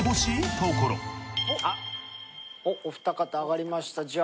あっお二方挙がりました